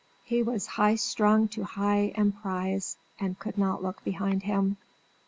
He was "high strung to high emprise," and could not look behind him.